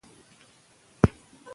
خلک د خوراک وروسته حرکت کوي.